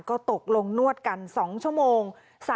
ก็ตกลงนวดกัน๒ชั่วโมง